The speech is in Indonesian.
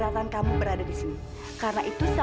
kak fadil kenapa